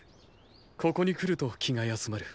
ここに来ると気が休まる。